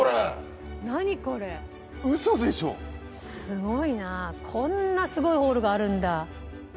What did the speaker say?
すごいなこんなすごいホールがあるんだ。